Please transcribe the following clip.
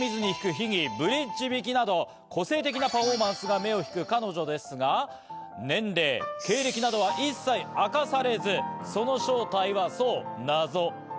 鍵盤を見ずに弾く、秘技・ブリッジ弾きなど、個性的なパフォーマンスが目を引く彼女ですが、年齢、経歴等は一切明かされず、その正体は謎。